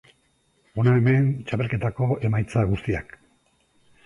Hona hemen, txapelketako emaitza guztiak.